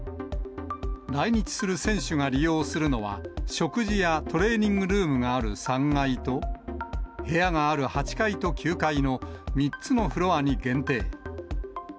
来日する選手が利用するのは、食事やトレーニングルームがある３階と、部屋がある８階と９階の３つのフロアに限定。